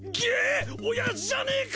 親父じゃねえか！